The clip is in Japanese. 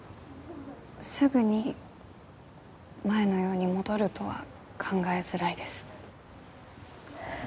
すぐに前のように戻るとは考えづらいです。